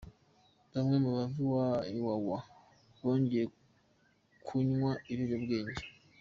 Bamwe mu bava Iwawa bongera kunywa ibiyobyabwenge